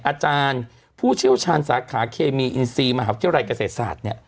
อาจารย์ผู้เชี่ยวชาญสาขาเคมีอินซีมหาวิทยาลัยเกษตรศาสตร์เนี่ย